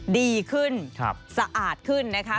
ดีขึ้นสะอาดขึ้นนะคะ